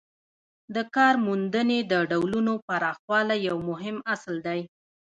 د کارموندنې د ډولونو پراخوالی یو مهم اصل دی.